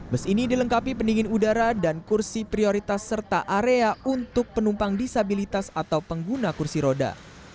bus ini dilengkapi pendingin udara dan kursi prioritas serta area untuk penumpang disabilitas atau pengguna kursi roda